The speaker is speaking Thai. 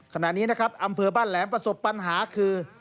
ขณะนี้นะครับอำเภอบ้านแหลมประสบปัญหาคือ